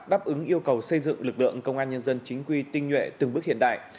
đáp ứng yêu cầu xây dựng lực lượng công an nhân dân chính quy tinh nhuệ từng bước hiện đại